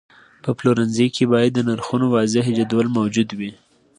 په پلورنځي کې باید د نرخونو واضحه جدول موجود وي.